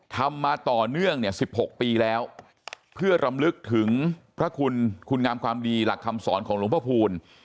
ทำมาต่อเนื่องเนี่ย๑๖ปีแล้วเพื่อรำลึกถึงพระคุณคุณงามความดีหลักคำสอนของหลวงพระภูมิ